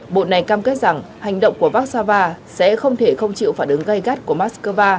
bộ này cam kết rằng hành động của vác sa va sẽ không thể không chịu phản ứng gây gắt của moscow